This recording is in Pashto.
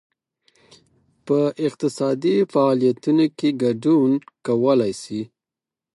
په اقتصادي فعالیتونو کې ګډون کولای شي.